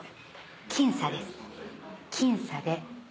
僅差です僅差で。